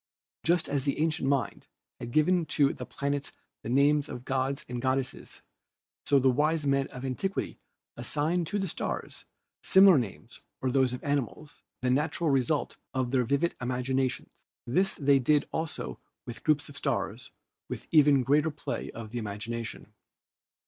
Just as the ancient mind had given to the planets the names of gods and goddesses, so the wise men of antiquity assigned to the stars similar names or those of animals, the natural result of their vivid imagina tion. This they did also with groups of stars with even greater play of the imagination.